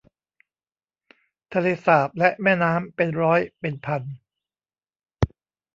ทะเลสาบและแม่น้ำ เป็นร้อยเป็นพัน